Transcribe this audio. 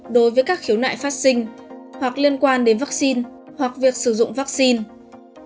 đối với các khiếu nại phát sinh hoặc liên quan đến vaccine hoặc việc sử dụng vaccine